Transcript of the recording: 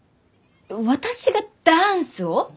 私がダンスを！？